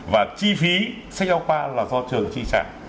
và chi phí sách giáo khoa là do trường chi trả